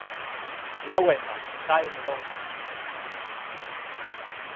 Neu Emma, stai anavos.